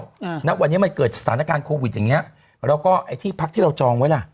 อืมณวันนี้มันเกิดสถานการณ์โควิดอย่างเงี้ยแล้วก็ไอ้ที่พักที่เราจองไว้ล่ะ